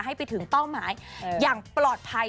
ให้ไปถึงเป้าหมายอย่างปลอดภัย